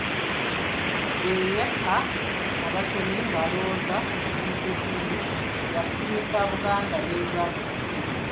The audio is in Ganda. Bwe yatta abasomi ng'alowooza okuziyiza eddiini yafunyisa Buganda ne Uganda ekitiibwa.